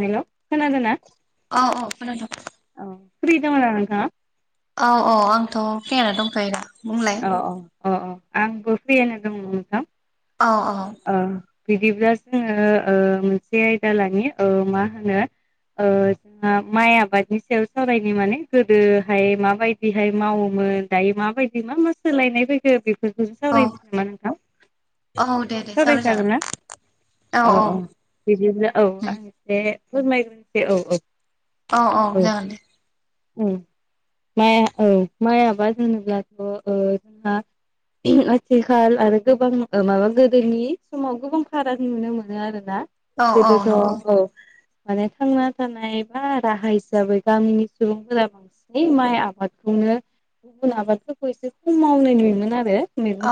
हेल' खोनादो ना? औ औ खोनादों औ फ्रि दङ ना नोंथाङा? औ औ आंथ' फ्रियानो दंखायोना बुंलाय। अ अ आंबो फ्रियनो दङ नोंथां औ औ ओ बिदिब्ला जोङो ओ मोनसे आयदा लनि ओ मा होनो ओ ओ माइ आबादनि सायाव सावरायनो माने गोदोहाय माबायदिहाय मावोमोन दायो माबायदि मा मा सोलायनाय फैखो बेफोरखौसो औ सावरायनोसै नामा नोंथां औ दे दे सावरायजागोन सावरायजागोन औ औ बिदिनो औ आं एसे फोरमायग्रसै औ औ अ औ जागोन दे औ माइ औ माइ आबाद होनोब्लाथ' जोंहा [unintelligible] आथिखाल आरो गोबां ओ माबा गोदोनि समाव गोबां फाराग नुनो मोनो आरोना औ गोदोथ' नंगौ औ माने थांना थानाय बा राहा हिसाबै गामिनि सुबुंफोरा माइ आबादखौनो गुबुन आबादफोरखौ एसे खम मावनाय नुयोमोन आरो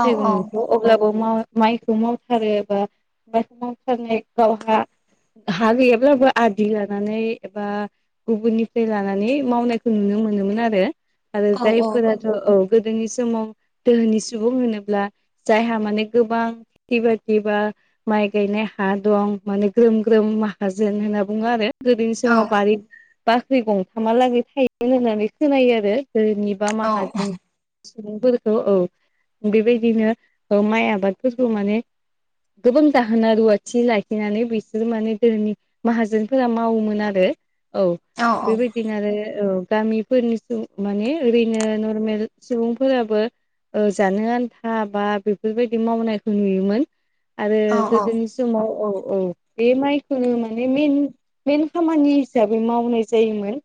औ औ थायगंनिखौ अब्लाबो मा माइ मावथारो आरो सावथारनाय गावहा हा गैयाब्लाबो आदि लानानै एबा गुबुननिफ्राय लानानै मावनायखौ नुनो मोनोमोन आरो आरो औ जायफोरा औ गोदोनि समाव दोहोनि सुबुं होनोब्ला जायहा माने गोबां बिबादि बा माइ गायनाय हा दं माने ग्रोम ग्रोम माहाजोन होनना बुङो आरो गोदोनि औ समाव बारि बाख्रि गंथामहालागै थायोमोन होननानै खोनायो आरो गोदोनि बा माहाजोन सुबुंफोरखौ औ बेबायदिनो औ माइ आबादफोरखौ माने गोबां दाहोना रुवाथि लाखिनानै बिसोर माने गोदोनि माहाजोनफोरा मावोमोन आरो औ बेबायदि बिदिनो आरो गामिफोरनि माने ओरैनो नर्मेल सुबुंफोराबो ओ जानो आन्था बा बेफोरबायदि मावनायखौ नुयोमोन आरो औ गोदोनि समाव औ औ बे माइखौनो माने मेन मेन खामानि हिसाबै मावनाय जायोमोन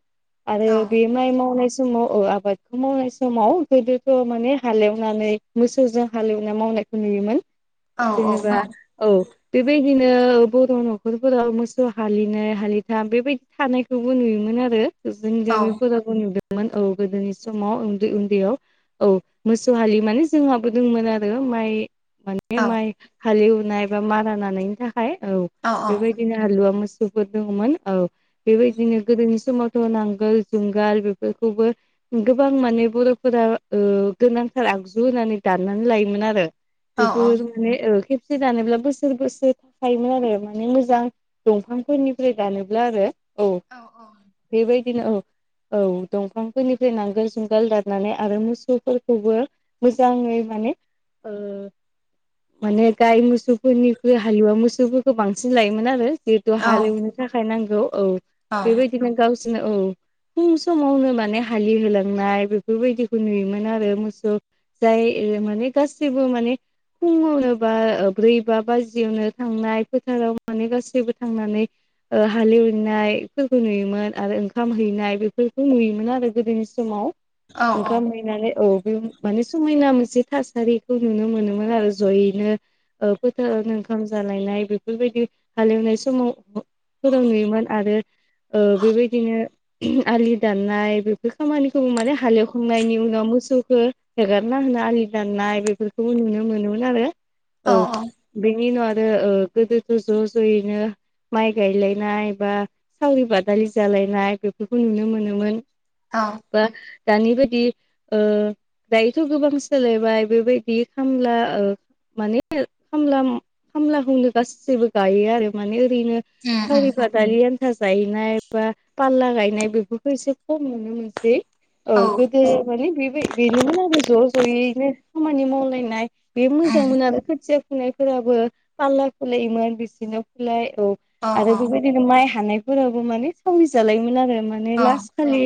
आरो औ बे माइ मावनाय समाव ओ आबादखौ मावनाय समाव गोदोथ' माने हालेवनानै मोसौजों हालेवना मावनायखौ नुयोमोन औ जेनेबा औ बेबायदिनो बर' नखरफोराव मोसौ हालिनाय हालिथाम बेबायदि थानायखौबो नुयोमोन आरो जोंनि गामिफोरावबो नुदोंमोन औ गोदोनि समाव उन्दै उन्दैयाव औ मोसौ हालि माने जोंहाबो दंमोन आरो माइ बे उम औ उम औ उम औ माइ हालेवनाय एा मारा नानायनि थाखाय औ बेबायदि बिदिनो हालुवा मोसौफोर दङमोन औ बेबायदिनो गोदोनि समावथ' नांगोल जुंगाल बेफोरखौबो गोबां माने बर'फोरा ओ गोनांथार आगजु होनानै दाननानै लायोमोन आरो बेफोर माने ओ खेबसे दानोब्ला बोसोर बोसोर थाखायोमोन आरो माने मोजां दंफांफोरनिफ्राय दानोब्ला आरो औ औ औ बेबायदिनो औ औ दंफांफोरनिफ्राय नांगोल जुंगाल दारनानै आरो मोसौफोरखौबो मोजाङै माने ओ माने गाय मोसौफोरनिख्रुइ हालुवा मोसौफोरखौ बांसिन लायोमोन आरो जिहेतु हालेवनो थाखाय नांगौ। औ बेबायदिनो गावसोरनो औ फुं समावनो माने हालि होलांनाय बेफोरबायदिखौ नुयोमोन आरो मोसौ जाय माने गासिबो माने फुङावनो बा ब्रै बा बाजियावनो थांनाय फोथाराव माने गासैबो थांनानै ओ हालेवैनायफोरखौ नुयोमोन आरो ओंखाम हैनाय बेफोरखौ नुयोमोन आरो गोदोनि समाव ओंखाम हैनानै औ बे माने समायना मोनसे थासारिखौ नुनो मोनोमोन आरो जयैनो ओ फोथारावनो ओंखाम जालायनाय बेफोरबायदि हालेवनाय समाव फोराव नुयोमोन आरो ओ बेबायदिनो आलि दाननाय बेफोर खामानिखौ माने हालेवखांनायनि उनाव मोसौखौ हगारना होनो आलि दाननाय बेफोरखौबो नुनो मोनोमोन आरो। औ बिदिनो आरो। आरो गोदोथ' ज-'ज'यैनो माइ गायलायनाय बा सावरि बादालि जालायनाय बेफोरखौ नुनो मोनोमोन। औ बा दानि बायदि ओ दायोथ' गोबां सोलायबाय बेबायदि खामला ओ माने खामला खामलाखौनो गासैबो गायो आरो माने ओरैनो सावरि बा दारि आन्था गायनाय बा फालला गायनाय बेफोरखौ एसे खम नुनो मोनसै। औ गोदो माने बेबाय बेनोमोन आरो ज'- ज'यैनो खामानि मावलायनाय बे मोजां मोन आरो खोथिया खुनायफोराबो फालला खुलायोमोन बिसोरनो फुलाय औ। आरो बेबायदिनो माइ हानायफोराबो माने सावरि जालायोमोन आरो माने लास्ट खालि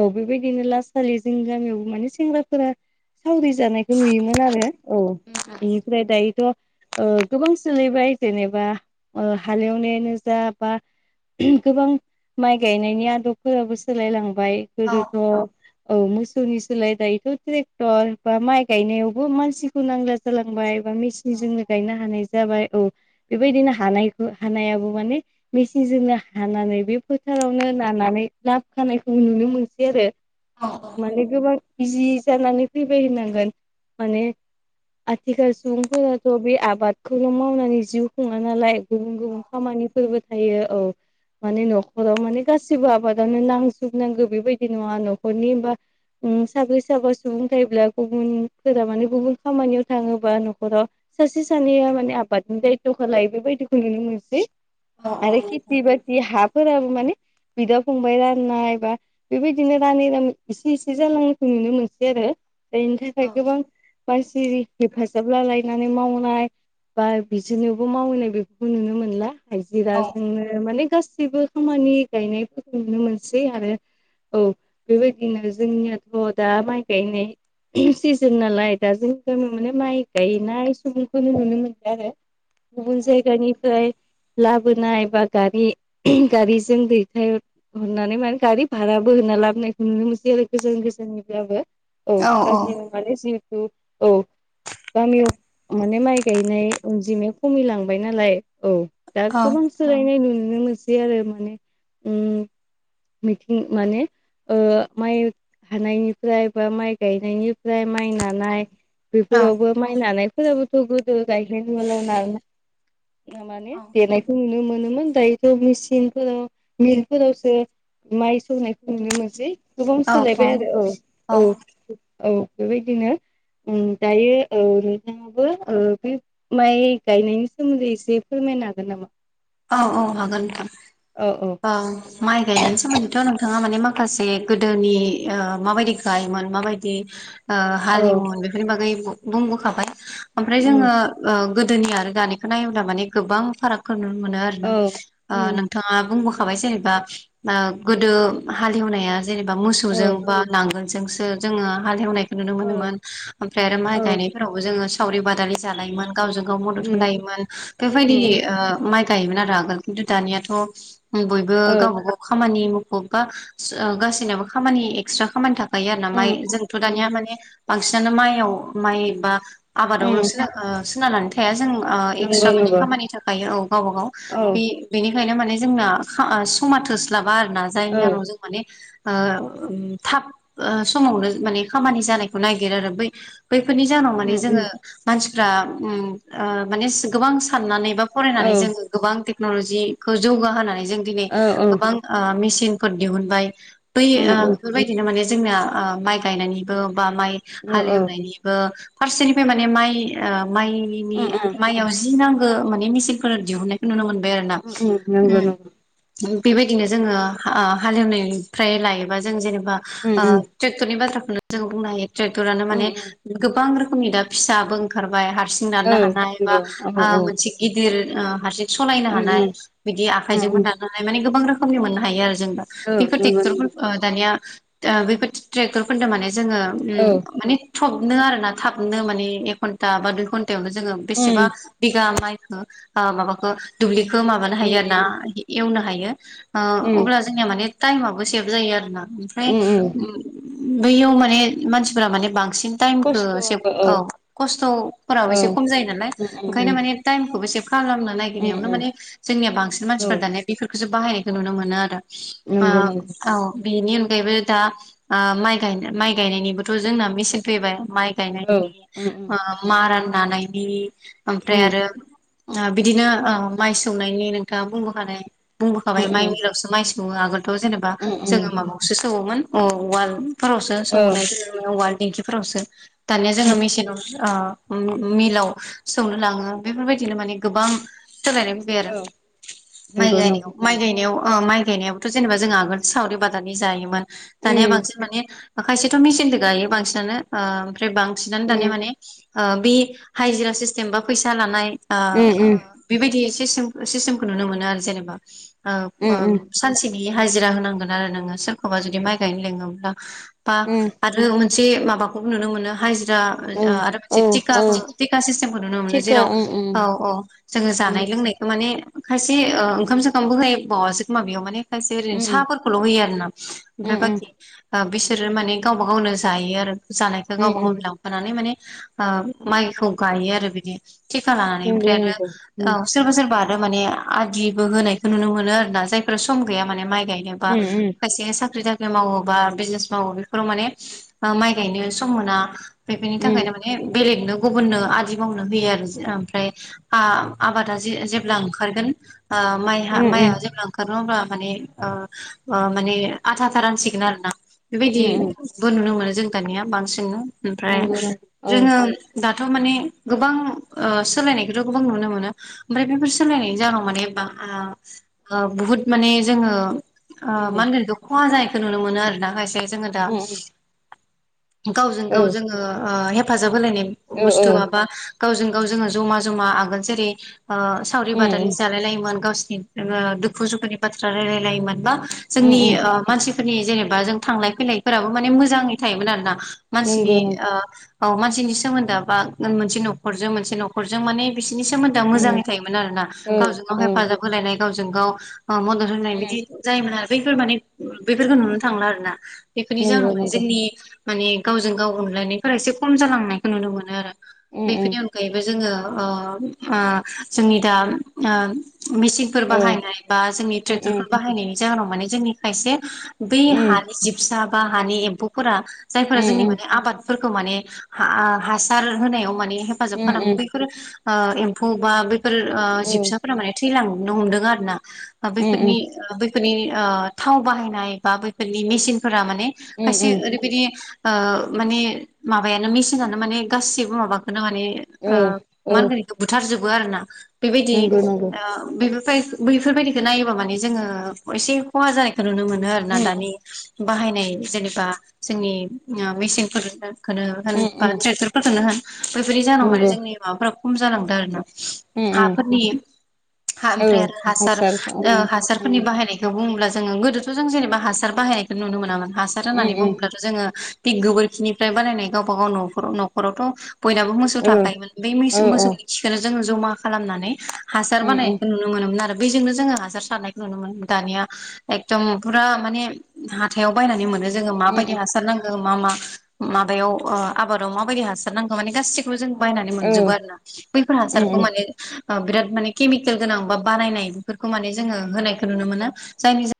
औ बेबायदिनो लास खालि जोंनि गामियावबो माने सेंग्राफोरा सावरि जानायखौ नुयोमोन आरो। औ बेनिफ्राय दायोथ' ओ गोबां सोलायबाय जेनेबा ओ हालेवनायानो जा बा गोबां माइ गायनायनि आदबफोराबो सोलायलांबाय। गोदोथ' औ मोसौनि सोलाय दायोथ' ट्रे क्ट'र बा माइ गायनायावबो मानसिखौ नांला जालांबाय। बा मेसिनजोंनो गायनो हानाय जाबाय औ बेबायदिनो हानायखौ हानायाबो माने मेचिनजोंनो हानानै बे फोथारावनो नानानै लाबो खानायखौ नुनो मोनसै आरो। माने गोबां इजि जानानै फैबाय होनांगोन माने। आथिखाल सुबुंफोराथ' बे आबादखौल' मावनानै जिउ खुङा नालाय गुबुन गुबुन खामानिफोरबो थायो। औ माने न'खराव माने गासिबो आबादावनो नांजोबनांगौ बेबायदि नङा न'खरनि बा ओ साब्रै साबा सुबुं थायोब्ला गुबुनफोरा माने गुबुन खामानियाव थाङोबा न'खराव सासे सानैया माने आबादनि दायथ'खौ लायो बेबायदिखौ नुनो मोनसै। औ आरो खेथि- बाथि हाफोराबो माने बिदा फंबाय राननाय बा बेबायदिनो रानै- रानै इसे- इसे जालांनायखौ नुनो मोनसै आरो। बेनि थाखाय औ गोबां मानसिनि हेफाजाब लालायनानै मावनाय बा बिसोरनोयावबो मावहैनाय बेफोरखौ नुनो मोनला। औ हाजिराजोंनो माने गासैबो खामानि गायनायफोरखौ नुनो मोनसै आरो औ बेबायदिनो जोंनियाथ' दा माइ गायनाय सिजोन नालाय दा जोंनि गामियावनो मोने माइ गायनाय सुबुंफोरखौनो नुनो मोनबाय। आरो गुबुन जायगानिफ्राय लाबोनाय बा गारि गारिजों दैथाय हरनाय होननानै मान गारि भाराबो होनना लाबोनायखौ नुनो मोनसै आरो गोजान गोजाननि बाबो। औ गाज्रि मुगानि जिथु औ गामियाव माने माइ गायनाय अनजिमाया खमिलांबाय नालाय। औ दा औ गोबां सोलायनाय नुनो मोनसै आरो। माने ओ बिथिं माने ओ माइ हानायनिफ्राय बा माइ गायनायनिफ्राय माइ नानाय बेफोरावबो माइ नानायफोरावबोथ' गोदो गायहेन उआलफोराव नानाय माने देनायखौ नुनो मोनोमोन दायोथ' मेचिनफोराव मिलफोरावसो माइ सौनायखौ नुनो मोनसै गोबां औ सोलायबाय आरो औ औ औ औ बेबायदिनो उम दायो ओ नोंथांआबो ओ बे माइ गायनायनि सोमोन्दै एसे फोरमायनो हागोन नामा? औ औ हागोन नोंथां। औ माइ गायनायनि सोमोन्दैथ' नोंथाङा माने माखासे गोदोनि ओ माबायदि गायोमोन माबायदि ओ औ हालेवो बेफोरनि बागै बुंबोखाबाय। ओमफ्राय उम जोङो ओ गोदोनि आरो दानिखौ नायोब्ला माने गोबां फारागखौ नुनो मोनो आरो ना औ ओ उम नों थांङा बुंबोखाबाय जेनेबा ओ गोदो हालेवनाया जेनेबा औ मोसौजों बा नांगोल जोंसो जोंङो हालेवनायखौ नुनो औ मोनोमोन ओमफ्राय आरो माइ औ गायनाय फ्रावबो जोंङो सावरि बादालि जालायोमोन गावजों गाव मदद उम होलायोमोन बेफोरबायदि उम ओ माइ गायोमोन आरो आगोल खिन्थु दानियाथ' बयबो औ गावबा गाव खामानि मुखुब बा ओ गासिनाबो खामानि एकस्रा खामानि थाबावो गायो आरो ना माइ उम जोंथ' उम दानिया माने बांसिनानो माइआव माइ बा आबादावल' उम सोनारनानै थाया जों नंगौ एक्सट्रा माने नंगौ खामानि थाखाय औ न'आव औ बि-बिनिखायनो माने जोंना खा समा थोस्लाबा आरोना जायनि औ जाहनाव जों माने ओ थाब ओ समावनो माने खामानि जानायखौ नायगिरो आरो बै बैफोरनि जाहोनाव उम माने उम जोंङो मानसिफ्रा उम ओ माने सि गोबां साननानै बा औ फरायनानै जोंङो गोबां टेक्न'लजिखौ जौगाहोनानै जों दिनै औ औ गोबां ओ मेसिनफोर दिहुनबाय बै उम ओ उम बेफोरबायदि बिदिनो माने जोंना ओ माइ गायनायनिबो बा माइ औ हाल औ एवनायनिबो फारसेनिफ्राय माने माइ ओ माइनि उम उम माइयाव जि नांगौ माने मेचिनफोर दिहुननाय नुनो मोनबाय आरो ना उम नंगौ नंगौ बेबायदिनो जोंङो ओ हालेवनायनिफ्राय लायोबा जों जेनेबा ओ उम ट्रेक्टरनि बाथ्राखौनो जों बुंनो हायो ट्रेक्टरानो उम माने गोबां रोखोमनि दा फिसाबो ओंखारबाय हारसिं उम नारनो हानाय बा औ आ नंगौ औ मोनसे गिदिर ओ हारसिं सालायनो उम हानाय उम बिदि उम आखाइजोंबो नारनो माने गोबां रोखोमनि मोननो हायो आरो जों दा उम औ बेफोर नंगौ ट्रेक्टरफोर नंगौ ओ दानिया ओ बेफोर ट्रेक्टरफोरदों माने जोंङो औ उम माने थबनो आर ना थाबनो माने एक घन्टा बा दुइ घन्टायावनो जोंङो उम बेसेबा बिघा माइखौ ओ माबाखौ दुब्लिखो माबानो उम हायो आरो ना उम एवनो हायो। ओ अब्ला जोंनिया माने टाइमाबबो सेभ जायो आरो ना ओमफ्राय उम बैयाव माने मानसिफोरा माने बांसिन टाइमखौ सेब औ खस्थ'फोराबो औ एसे खम जायो नालाय उम उम ओंखायनो माने टाइमखौबो सेब खालामनो उम नागिरनायावनो उम उम माने जोंनिया बांसिन औ मानसिफोर दानिया बेफोरखौसो बाहायनायखौ नुनो मोनो आरो। आ नंगौ नंगौ औ बिनि अनगायैबो दा ओ माइ गाय माइ गायनायनिबोथ' जोंना मेसिन फैबाय माइ औ गायनायनि उम उम ओ मारान नानायनि उम ओमफ्राय आरो ओ बिदिनो ओ माइ सौनायनि नोंथांङा बुंबोखानाय बुंबोखाबाय उम माइ मिलआव [unintelligible] सौ आगोलथ' जेनेबा उम जोंङो उम माबायावसो सौवोमोन औ उवालफोरावसो औ सौनाय उवाल दिंखिफोरावसो दानिया जोंङो उम मेसिनाव ओ मि-मिलाव सौनो लांङो बेफोरबायदिनो माने गोबां सोलायनायखौ [unintelligible] औ आरो माइ नंगौ गायनायाव नंगौ माइ गायनायाव ओ माइ गायनायाबोथ' जेनेबा जोंहा आगोल सावरि बादालि जायोमोन दानिया उम उम बांसिन माने खायसेथ' मेसिनजों गायो बांसिनानो ओ ओमफ्राय बांसिनानो दानिया माने ओ बे हाइजिरा सिस्टेम बा फैसा लानाय ओ उम बेबायदि सिस्टेम सिस्टेमखौ नुनो मोनो आरो जेनेबा ओ ओ उम उम सानसेनि हाजिरा होनांगोन आरो नोङो सोरखौबा जुदि माइ गायनो लोङोब्ला बा आरो मोनसे माबाखौ नुनो मोनो हाजिरा उम आरो औ मोनसे टिक औ टिका सिस्टेमखौ नुनो मोनो थिखा जेराव उम औ उम औ जोङो जानाय लोंनाय माने खायसे ओ ओंखाम सोंखामबो होयबावासै खोमा बेयाव माने खायसे ओरैनो उम उम साहाफोर खौल' होयो आरो ना उम ओमफ्राय बाखि ओ बिसोरो माने गावबा गावनो जायो आरो। जानायखौ उम गावबा गाव उम लांफानानै माने ओ माइखौ गायो आरो बिदि थिग लानानै नंगौ ओमफ्राय आरो नंगौ उम औ सोरबा सोरबा आरो माने आदिबो होनायखौ नुनो मोनो आरोना जायफोरा सम गैया माने माइ गायनो। एबा उम खायसेआ साख्रि मावो बा बिजनेस मावो बेफोराव माने ओ माइ गायनो सम मोना बेफोरनि उम थाखायनो मा ने बेलेगनो गुबुननो आदि मावनो होयो आरो। आमफ्राय आ आबादा जे जेब्ला ओंखारगोन मा उम माय उम आ जेब्ला ओंखारो होब्ला माने ओ ओ माने आथा आाथा रानसिगोन आरो ना बेबायदि उम उम बो नुनो मोनो जों दानिया बांसिन ओमफ्राय नंगौ नंगौ औ जोङो दाथ' माने गोबां ओ सोलायनायखौथ' गोबां नुनो मोनो ओमफ्राय बेफोर सोलायनायनि जाहाव माने बा ओ बुहुद माने जोङो ओ मा उम होनगोन खहा जानायखौ नुनो मोनो आरोना खायसे जोङो दा उम उम गावजों औ गाव जोङो ओ हेफाजाब होलायनाय औ औ बुस्थुआ बा गावजों गाव जोङो जमा जमा आगोल जेरै ओ सावरि बादालि उम जालाय लायोमोन गावसिनि जोङो दुखु दुखुनि बाथ्रा रायलायलायोमोन बा उम जोंनि उम ओ मानसिफोरनि जेनेबा जों थांलाय फैलायफोराबो माने मोजाङै थायोमोन आरोना मानसिनि नंगौ नंगौ ओ औ मानसिनि सोमोन्दोआ बा मोनसे न'खरजों मोनसे न'खरजों माने बिसिनि सोमो दा उम मोजाङै थायोमोन आरो ना औ गावजों गाव औ हेफाजाब होलायनाय गावजों गाव मदद होनाय उम खि जायोमोन आरो बैफोर माने बैफोरखौ नुनो थाङोन आरोना बेफोरनि जाहोनाव नंगौ माने नंगौ जोंनि मानि गावजों गाव अनलायनायफोरा एसे खम जालांनायखौ नुनो मोनो आरो उम उम बेफोरनि अ जोङो ओ आ जोंनि दा आ मिसिं औ फोरबाहाय बा जोंनि उम ट्रेगठरफोर बाहायनायनि जाहोनाव मानि जोंनि खायसे बै उम हानि जिब सा बा हानि एम्फौफोरा जायफोरा जोंनि उम माने आबाद फोरखौ माने हा हासार होनायाव माने उम हेफाजाब खालाम उम औ उम फै बेफोर आ एम्फौ बा बेफोर आ जिबसाफोरा माने थैलांनो हमदों आरो ना। उम बैफोरनि बैफोरनि ओ थाव बाहायनाय बा बैफोरनि मेसिनफोरा माने उम खायसे उम ओरैबादि ओ माने माबायानो मेसिनानो माने गासिबो माबाखौननो माने औ आ औ मा होनगोन बेखौ बुथारजोबो आरो ना बेबायदि नंगौ नंगौ आ बे फै बैफोरबायदिखौ नायोबा माने जोङो एसे खहा जानायखौ नुनो मोनो आरो ना उम दानि बाहायनाय जेनेबा जोंनि मेसिनफोरखौनो होन उम बा उम ट्रेक्टरफोर फोरखौनो होन बेफोरनि जाहोनाव माने नंगौ जोंनि माबाफोरा खम जालांदों आरो ना। उम उम हाफोरनि हा ओमफ्राय औ आरो हासार उम उम हासारफोरनि बाहायनाय खौ बुङोब्ला जो गोदोथ' जों जेनेबा हासार बाहायनायखौ नुनो मोनामोन हासार उम होननानै उम बुङोब्ला जोङो बिग गोबोरखिनिफ्राय बानायनाय गावबा गाव न'खराव न'खरावथ' बयनाबो मोसौ औ थाखायोमोन। बे औ मैसो मोसौनि खिखौनो जोङो जमा खालामनानै हासार उम उम बानायनायखौ नुनो नुनो मोनोमोन आरो बेजोंनो जोङो हासार सारनायखौ नुनो मोनोमोन दानिया एकदम फुरा माने हा हाथायाव बायनानै मोन जोङो उम माबायदि हासार नां ओम मा मा माबायाव ओ आबादाव माबायदि हासार नांगौ मानि गाैसिखौ जों बायनानै औ जोबो आरो ना बैफोर उम हासारखौ माने बिराद माने केमिकेल गोनां बा बानायनाय बेफोरखौ माने जोङो होनायखौ नुनो मोनो जायनि जा